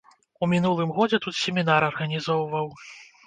У мінулым годзе тут семінар арганізоўваў.